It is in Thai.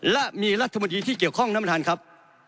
และมีรัฐมนิที่เกี่ยวข้องนะครับท่านครับ